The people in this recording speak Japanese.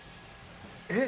えっ？